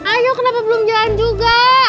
ayo kenapa belum jalan juga